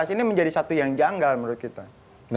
ini menjadi satu yang janggal menurut kita